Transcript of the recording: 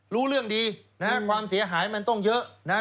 รู้เรื่องดีนะฮะความเสียหายมันต้องเยอะนะครับ